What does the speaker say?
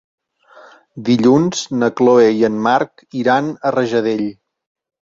Dilluns na Chloé i en Marc iran a Rajadell.